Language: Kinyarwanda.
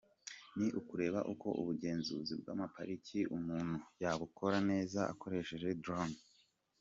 Ni ukureba uko ubugenzuzi bw’amapariki umuntu yabukora neza akoresheje drones.